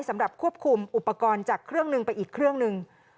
สำหรับควบคุมอุปกรณ์จากเครื่องหนึ่งไปอีกเครื่องหนึ่ง